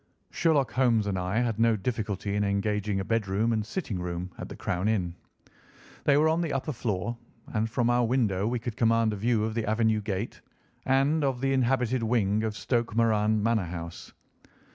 Sherlock Holmes and I had no difficulty in engaging a bedroom and sitting room at the Crown Inn. They were on the upper floor, and from our window we could command a view of the avenue gate, and of the inhabited wing of Stoke Moran Manor House.